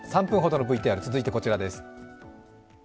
３分ほどのＶＴＲ、続いてこちらです。